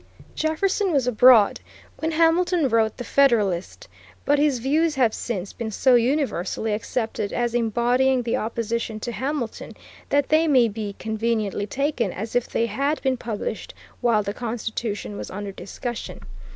Jefferson was abroad when Hamilton wrote The Federalist, but his views have since been so universally accepted as embodying the opposition to Hamilton, that they may be conveniently taken as if they had been published while the Constitution was under discussion.